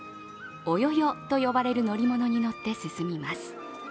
腰輿と呼ばれる乗り物に乗って進みます。